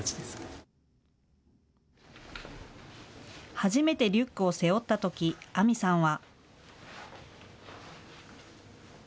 初めてリュックを背負ったとき杏美さんは。